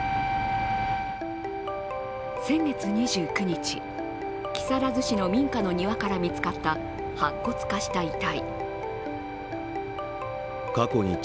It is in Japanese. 先月２９日、木更津市の民家の庭から見つかった白骨化した遺体。